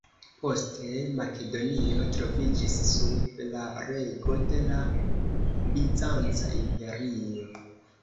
Poste, Makedonio troviĝis sub la rego de la Bizanca imperio.